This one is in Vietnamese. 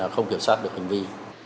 không kiểm soát được hành vi